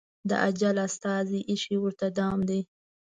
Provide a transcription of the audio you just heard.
د اجل استازي ایښی ورته دام دی